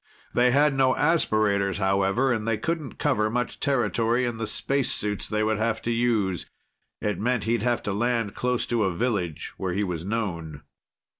They had no aspirators, however, and they couldn't cover much territory in the spacesuits they would have to use. It meant he'd have to land close to a village where he was known.